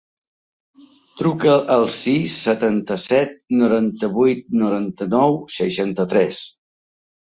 Truca al sis, setanta-set, noranta-vuit, noranta-nou, seixanta-tres.